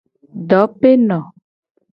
Dopeno.